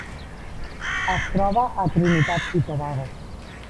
Es troba a Trinitat i Tobago.